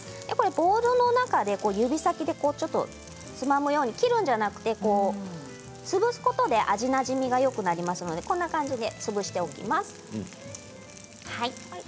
ボウルの中で指先でちょっとつまむように切るんじゃなくて、潰すことで味なじみがよくなりますのでこんな感じで潰しておきます。